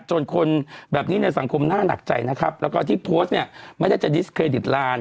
จนคนแบบนี้ในสังคมน่าหนักใจนะครับแล้วก็ที่โพสต์เนี่ยไม่ได้จะดิสเครดิตลาน